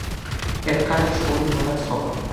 ერთ ქალაქში ორი მოლა ცხოვრობდა